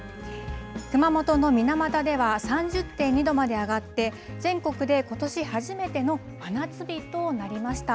熊本の水俣では３０．２度まで上がって、全国でことし初めての真夏日となりました。